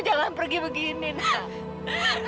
jangan pergi begini nanda